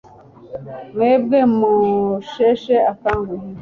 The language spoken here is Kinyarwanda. mwebwe musheshe akanguhe